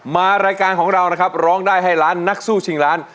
มารายการของเรานะครับร้องได้ให้ล้านนักสู้ชิงล้าน